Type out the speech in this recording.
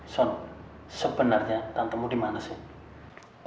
son sebenarnya tantamu dimana sih